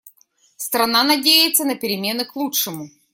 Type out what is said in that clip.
Страна надеется на перемены к лучшему.